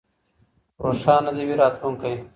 روښانه دې وي راتلونکی.